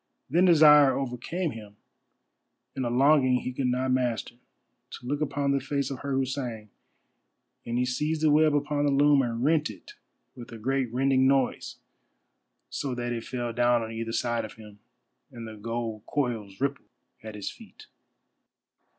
Then desire overcame him, and a longing he could not master, to look upon the face of her who sang, and he seized the web upon the loom, and rent it with a great rending noise, so that it fell down on either side of him, and the gold coils rippled at his feet.